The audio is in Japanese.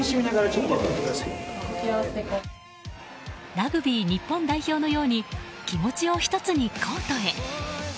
ラグビー日本代表のように気持ちを１つに、コートへ。